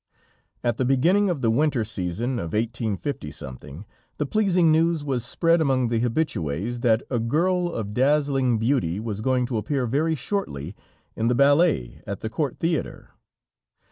At the beginning of the winter season of 185 the pleasing news was spread among the habitués, that a girl of dazzling beauty was going to appear very shortly in the ballet at the Court Theater.